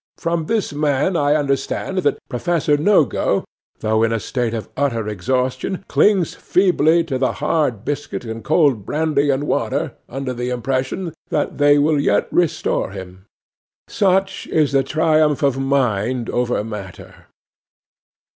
From this man I understand that Professor Nogo, though in a state of utter exhaustion, clings feebly to the hard biscuit and cold brandy and water, under the impression that they will yet restore him. Such is the triumph of mind over matter.